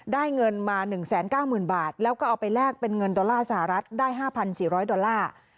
ได้เงินมาหนึ่งแสนเก้าหมื่นบาทแล้วก็เอาไปแลกเป็นเงินดอลลาร์สหรัฐได้ห้าพันสี่ร้อยดอลลาร์